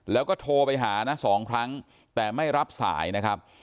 แล้วก็โทรไปหานะสองครั้งแต่ไม่รับสายนะครับ